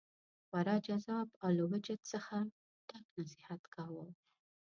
خورا جذاب او له وجد څخه ډک نصیحت کاوه.